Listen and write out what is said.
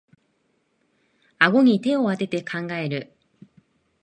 あごに手をあてて考える